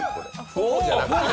フォー！じゃなくて。